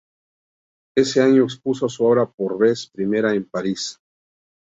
Ese año expuso su obra por vez primera en París.